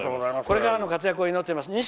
これからの活躍を祈ってます。